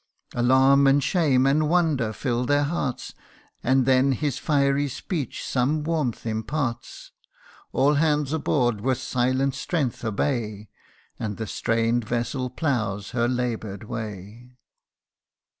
" Alarm, and shame, and wonder fill their hearts ; And then his fiery speech some warmth imparts. All hands aboard with silent strength obey, And the strain'd vessel ploughs her labour'd way.